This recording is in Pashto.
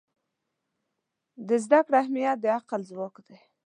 د زده کړې اهمیت د عقل ځواک دی.